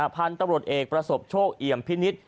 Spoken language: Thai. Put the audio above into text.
พันธุ์ตำรวจเอกประสบโชคเอี่ยมพินิษฐ์